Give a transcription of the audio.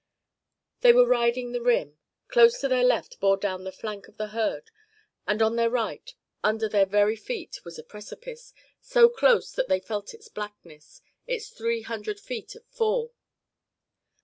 They were riding the rim. Close to their left bore down the flank of the herd, and on their right, under their very feet, was a precipice, so close that they felt its blackness its three hundred feet of fall!